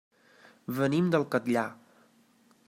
Venim del Catllar.